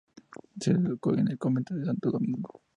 Se educó en el Convento de Santo Domingo.